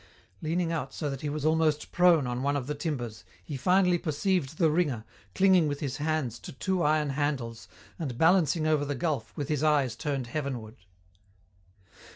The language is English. Leaning out so that he was almost prone on one of the timbers, he finally perceived the ringer, clinging with his hands to two iron handles and balancing over the gulf with his eyes turned heavenward.